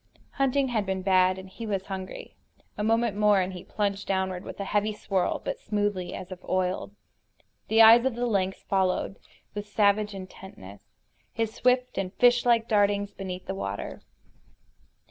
Hunting had been bad, and he was hungry. A moment more and he plunged downward with a heavy swirl, but smoothly, as if oiled. The eyes of the lynx followed, with savage intentness, his swift and fishlike dartings beneath the water.